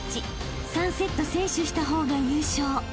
［３セット先取した方が優勝］